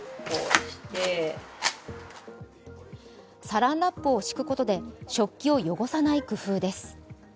サランラップを敷くことで食器を汚さない工夫です。